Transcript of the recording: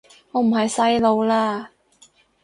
我唔係細路喇